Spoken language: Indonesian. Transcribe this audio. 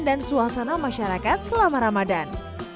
dan suasana masyarakat selama ramadhan